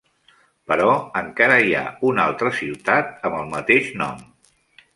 Però encara hi ha una altra ciutat amb el mateix nom.